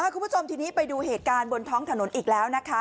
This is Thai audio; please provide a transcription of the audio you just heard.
คุณผู้ชมทีนี้ไปดูเหตุการณ์บนท้องถนนอีกแล้วนะคะ